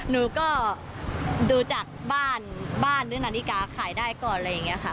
หนูก็ดูจากบ้านบ้านหรือนาฬิกาขายได้ก่อนอะไรอย่างนี้ค่ะ